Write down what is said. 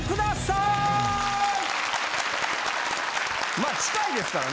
まあ近いですからね